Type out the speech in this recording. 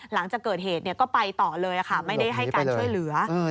หลังจากเกิดเหตุก็ไปต่อเลยค่ะไม่ได้ให้การช่วยเหลือ